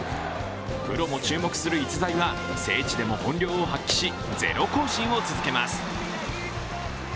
プロも注目する逸材は聖地でも本領を発揮しゼロ行進を続けます。